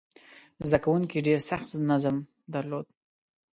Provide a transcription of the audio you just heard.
زده کوونکي ډېر سخت نظم درلود.